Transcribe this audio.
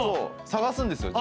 探すんですよ